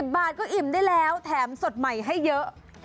บาทก็อิ่มได้แล้วแถมสดใหม่ให้เยอะ